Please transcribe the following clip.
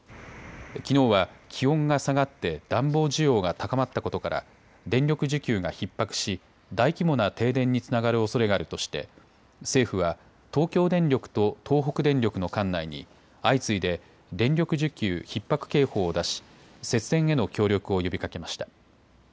きのうは気温が下がって暖房需要が高まったことから電力需給がひっ迫し、大規模な停電につながるおそれがあるとして政府は東京電力と東北電力の管内に相次いで電力需給ひっ迫警報を出し節電への協力を呼びかけました。